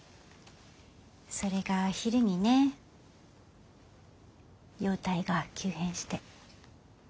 それが昼にね容体が急変して。